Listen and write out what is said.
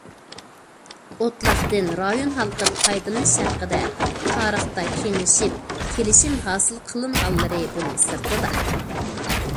ئوتلاقتىن رايون ھالقىپ پايدىلىنىش ھەققىدە تارىختا كېڭىشىپ كېلىشىم ھاسىل قىلىنغانلىرى بۇنىڭ سىرتىدا.